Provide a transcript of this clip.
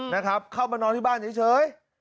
นะครับเข้ามานอนที่บ้านเฉย